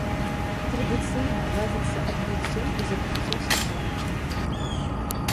Традыцыйна ладзіцца адкрыццё і закрыццё сезону.